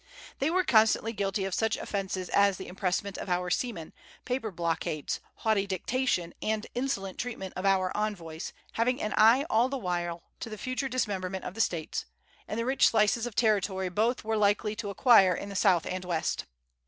They were constantly guilty of such offences as the impressment of our seamen, paper blockades, haughty dictation, and insolent treatment of our envoys, having an eye all the while to the future dismemberment of the States, and the rich slices of territory both were likely to acquire in the South and West.